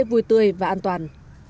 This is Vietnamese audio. vui tươi và an toàn